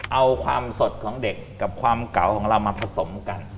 เอาความสดของเด็กกับความเก่าของเรามาผสมกัน